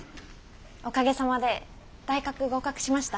おかげさまで大学合格しました。